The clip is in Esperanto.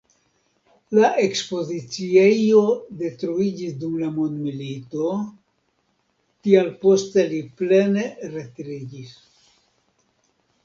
La ekspoziciejo detruiĝis dum la mondomilito, tial poste li plene retiriĝis.